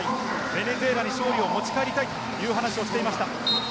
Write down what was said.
ベネズエラに勝利を持ち帰りたいという話をしていました。